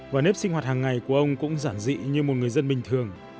và nếp sinh hoạt hàng ngày của ông cũng giản dị như một người dân bình thường